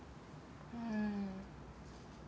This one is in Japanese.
うん。